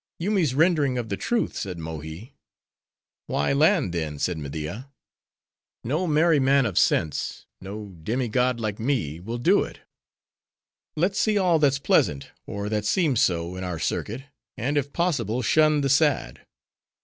"Yoomy's rendering of the truth," said Mohi. "Why land, then?" said Media. "No merry man of sense—no demi god like me, will do it. Let's away; let's see all that's pleasant, or that seems so, in our circuit, and, if possible, shun the sad."